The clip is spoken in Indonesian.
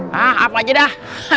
hah apa aja dah